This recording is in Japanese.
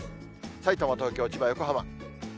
さいたま、東京、千葉、横浜。